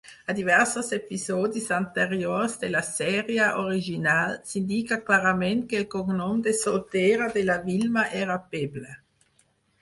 A diversos episodis anteriors de la sèrie original, s'indica clarament que el cognom de soltera de la Wilma era Pebble.